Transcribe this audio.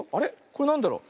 これなんだろう？